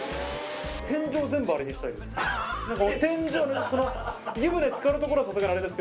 天井全部あれにしたいです。